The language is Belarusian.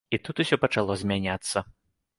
І тут усё пачало змяняцца.